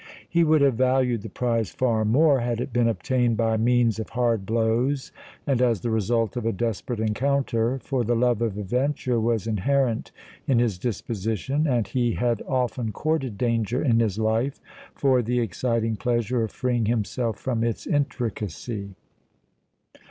He would have valued the prize far more, had it been obtained by means of hard blows and as the result of a desperate encounter; for the love of adventure was inherent in his disposition—and he had often courted danger in his life, for the exciting pleasure of freeing himself from its intricacy.